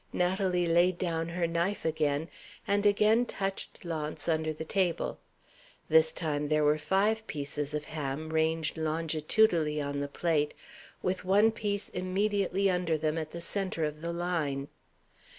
Natalie laid down her knife again, and again touched Launce under the table. This time there were five pieces of ham ranged longitudinally on the plate, with one piece immediately under them at the center of the line.